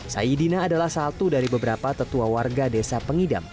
saidina adalah satu dari beberapa tetua warga desa pengidam